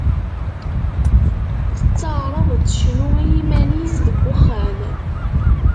Tettaɛraḍ ad tecnu i yiman-is deg uxxam.